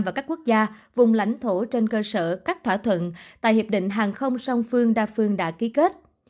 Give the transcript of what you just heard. và các quốc gia vùng lãnh thổ trên cơ sở các thỏa thuận tại hiệp định hàng không song phương đa phương đã ký kết